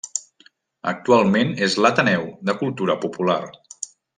Actualment és l'Ateneu de Cultura Popular.